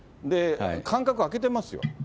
間隔を空けてますよ。